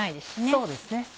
そうですね。